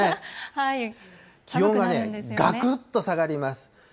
気温がね、がくっと下がります。